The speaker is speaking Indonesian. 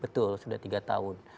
betul sudah tiga tahun